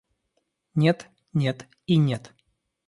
Нет, нет и нет.